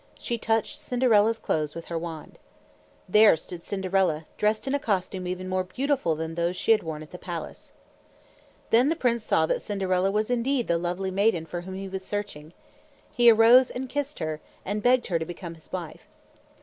She touched Cinderella's clothes with her wand. There stood Cinderella, dressed in a costume even more beautiful than those she had worn at the palace. Then the prince saw that Cinderella was indeed the lovely maiden for whom he was searching. He arose and kissed her, and begged her to become his wife.